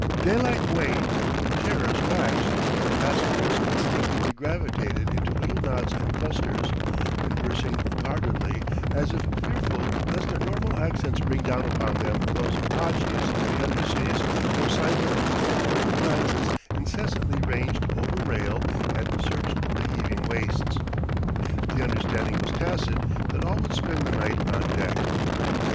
Daylight waned, terrors waxed: passengers instinctively gravitated into little knots and clusters, conversing guardedly as if fearful lest their normal accents bring down upon them those Apaches of the underseas for signs of whom their frightened glances incessantly ranged over rail and searched the heaving wastes. The understanding was tacit that all would spend the night on deck.